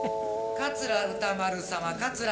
桂歌丸様。